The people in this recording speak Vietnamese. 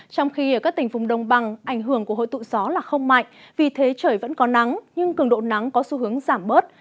trong khi ở các tỉnh vùng đông bằng ảnh hưởng của hội tụ gió là không mạnh vì thế trời vẫn có nắng nhưng cường độ nắng có xu hướng giảm bớt